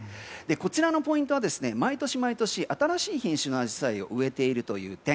こちらのポイントは、毎年毎年新しい品種のアジサイを植えているという点。